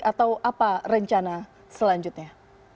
atau apa rencana selanjutnya